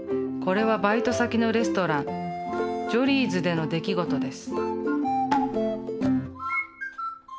これはバイト先のレストランジョリーズでの出来事です。